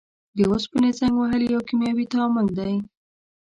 د اوسپنې زنګ وهل یو کیمیاوي تعامل دی.